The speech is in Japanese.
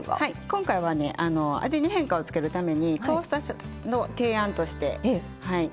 今回はね味に変化をつけるためにトーストの提案としてはい。